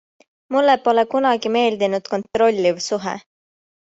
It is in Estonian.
Mulle pole kunagi meeldinud kontrolliv suhe.